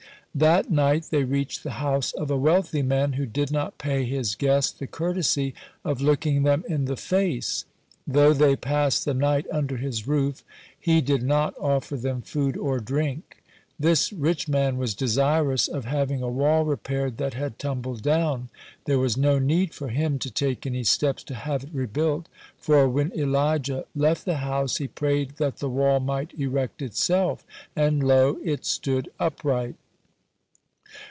That night they reached the house of a wealthy man, who did not pay his guest the courtesy of looking them in the face. Though they passed the night under his roof, he did not offer them food or drink. This rich man was desirous of having a wall repaired that had tumbled down. There was no need for him to take any steps to have it rebuilt, for, when Elijah left the house, he prayed that the wall might erect itself, and, lo! it stood upright.